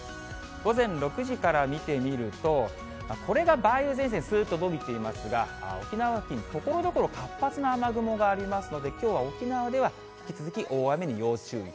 午前６時から見てみると、これが梅雨前線、すーっと延びていますが、沖縄付近、ところどころ、活発な雨雲がありますので、きょうは沖縄では引き続き、大雨に要注意。